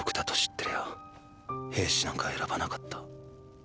てりゃ兵士なんか選ばなかった。